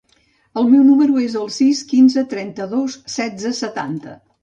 El meu número es el sis, quinze, trenta-dos, setze, setanta.